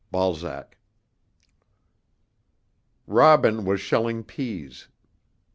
BALZAC. Robin was shelling peas.